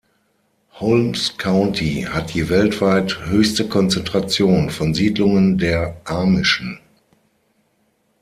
Holmes County hat die weltweit höchste Konzentration von Siedlungen der Amischen.